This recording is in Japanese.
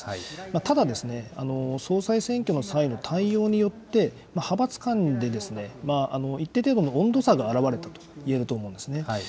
ただ、総裁選挙の際の対応によって、派閥間で一定程度の温度差が表れたといえると思うんですね。